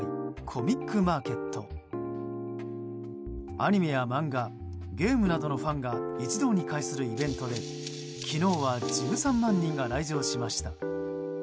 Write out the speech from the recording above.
アニメや漫画ゲームなどのファンが一堂に会するイベントで昨日は１３万人が来場しました。